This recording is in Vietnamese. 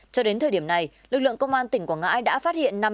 cho đến thời điểm này lực lượng công an tỉnh quảng ngãi đã phát hiện